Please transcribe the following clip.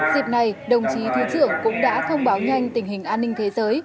dịp này đồng chí thứ trưởng cũng đã thông báo nhanh tình hình an ninh thế giới